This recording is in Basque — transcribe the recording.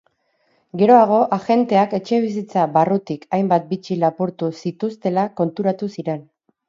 Geroago, agenteak etxebizitza barrutik hainbat bitxi lapurtu zituztela konturatu ziren.